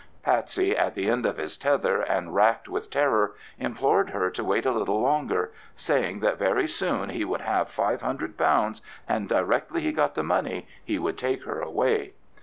Patsey, at the end of his tether and racked with terror, implored her to wait a little longer, saying that very soon he would have £500, and directly he got the money he would take her away.